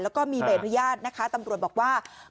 แล้วมีบริญญาณนะคะตำรวจบอกว่า